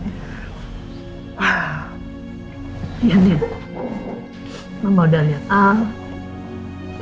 ya dia mama udah lihat al